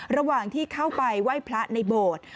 ระหว่างที่เข้าไปไหว้พระในโบสถ์